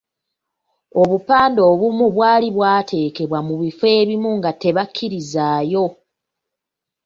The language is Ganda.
Obupande obumu bwali bwateekebwa mu bifo ebimu nga tebakkirizaayo.